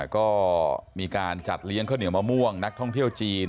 ก็มีการจัดเลี้ยงข้าวเหนียวมะม่วงนักท่องเที่ยวจีน